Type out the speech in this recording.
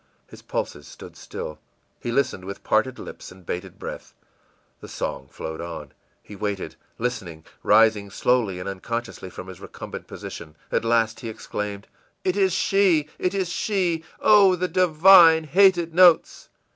His pulses stood still; he listened with parted lips and bated breath. The song flowed on he waiting, listening, rising slowly and unconsciously from his recumbent position. At last he exclaimed: ìIt is! it is she! Oh, the divine hated notes!